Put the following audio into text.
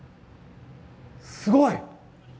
すごい！